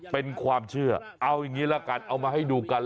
เป็นความเชื่อเอาอย่างนี้ละกันเอามาให้ดูกัน